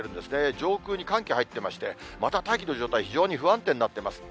上空に寒気入ってまして、また大気の状態、非常に不安定になってます。